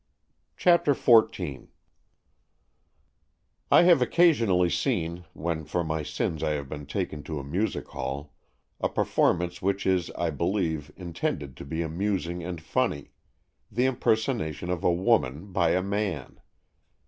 CHAPTER XIV I HAVE occasionally seen, when for my sins I have been taken to a music hall, a per formance which is, I believe, intended to be amusing and funny — the impersonation of a woman by a man.